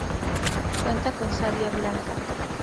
Cuenta con savia blanca.